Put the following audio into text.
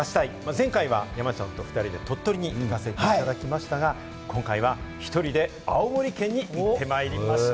前回は山ちゃんと２人で鳥取に行かせていただきましたが、今回は１人で青森県に行ってまいりました。